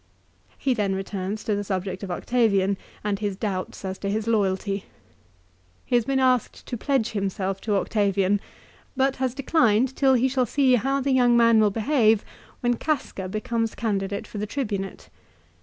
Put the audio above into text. He then returns to the subject of Octavian, and his doubts as to his loyalty. He has been asked to pledge himself to Octavian, but has declined till he shall see how the young man will behave when Casea becomes candidate for the Tribunate.